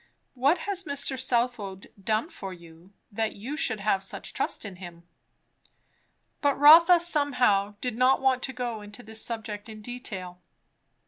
"What has Mr. Southwode done for you, that you should have such trust in him?" But Rotha somehow did not want to go into this subject in detail.